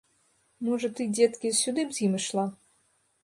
Можа, ты, дзеткі, сюды б з ім ішла?